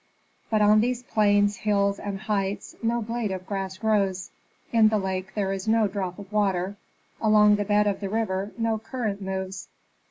But on these plains, hills, and heights no blade of grass grows; in the lake there is no drop of water; along the bed of the river no current moves.